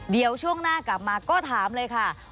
เดี๋ยวช่วงหน้ากลับมาก็ถามเลยค่ะ